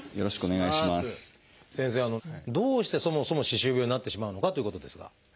先生どうしてそもそも歯周病になってしまうのかということですが。